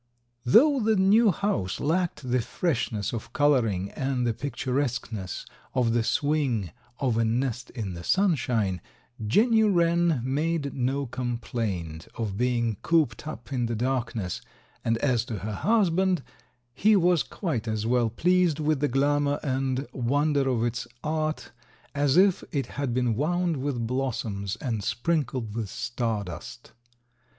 Though the new house lacked the freshness of coloring and the picturesqueness of the swing of a nest in the sunshine, Jenny Wren made no complaint of being cooped up in the darkness, and as to her husband, he was quite as well pleased with the glamor and wonder of its art as if it had been wound with blossoms and sprinkled with star dust.